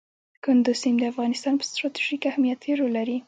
کندز سیند د افغانستان په ستراتیژیک اهمیت کې رول لري.